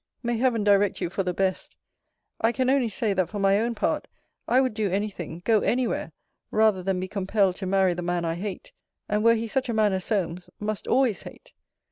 May heaven direct you for the best! I can only say, that for my own part, I would do any thing, go any where, rather than be compelled to marry the man I hate; and (were he such a man as Solmes) must always hate.